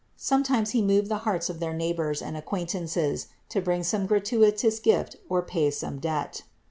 Sometimes He moved the hearts of their neighbors and acquaintances to bring some gratuitous gift or pay some debt.